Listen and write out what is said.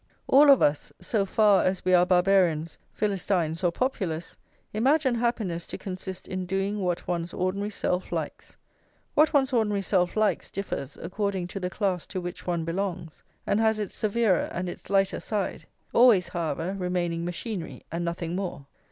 All of us, so far as we are Barbarians, Philistines, or Populace, imagine happiness to consist in doing what one's ordinary self likes. What one's ordinary self likes differs according to the class to which one belongs, and has its severer and its lighter side; always, however, remaining machinery, and nothing more.